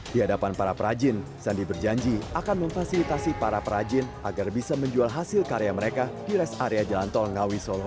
di hadapan para perajin sandi berjanji akan memfasilitasi para perajin agar bisa menjual hasil karya mereka di rest area jalan tol ngawi solo